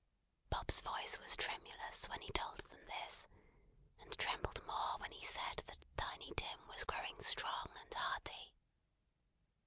Bob's voice was tremulous when he told them this, and trembled more when he said that Tiny Tim was growing strong and hearty.